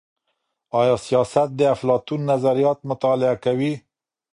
آیا سیاست د افلاطون نظریات مطالعه کوي؟